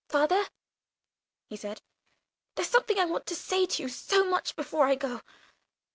"Father," he said, "there's something I want to say to you so much before I go.